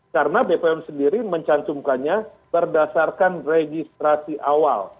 karena bepom sendiri mencancumkannya berdasarkan registrasi awal